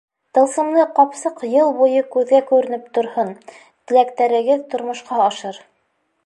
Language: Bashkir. Тылсымлы ҡапсыҡ йыл буйы күҙгә күренеп торһон, теләктәрегеҙ тормошҡа ашыр.